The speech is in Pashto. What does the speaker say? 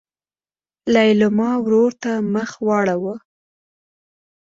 لېلما ورور ته مخ واړوه.